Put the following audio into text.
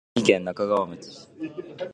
栃木県那珂川町